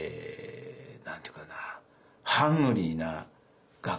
何て言うかな。